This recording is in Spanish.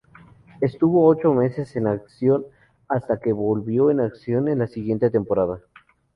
Estuvo ocho meses en rehabilitación hasta que volvió en acción en la siguiente temporada.